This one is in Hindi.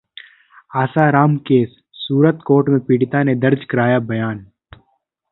आसाराम केस: सूरत कोर्ट में पीड़िता ने दर्ज कराया बयान